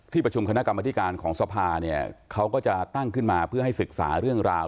ประชุมคณะกรรมธิการของสภาเนี่ยเขาก็จะตั้งขึ้นมาเพื่อให้ศึกษาเรื่องราว